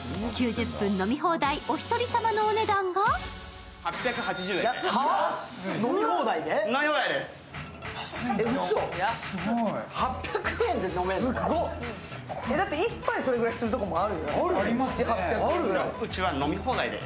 ９０分飲み放題、お一人様のお値段が飲み放題で！？